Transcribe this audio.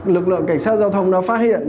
lực lượng cảnh sát giao thông đã phát hiện